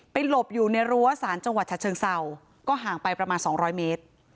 ไปหลบอยู่ในรัวศาลจฉะเชิงเซาก็ห่างไปประมาณ๒๐๐เมตร